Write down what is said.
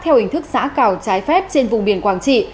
theo hình thức xã cào trái phép trên vùng biển quảng trị